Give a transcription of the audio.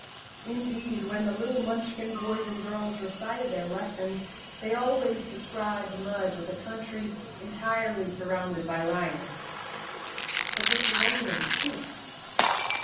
Indeed, when the little Munchkin boys and girls recited their lessons, they always described Mudge as a country entirely surrounded by lions. But this was only an ex¬ cuse.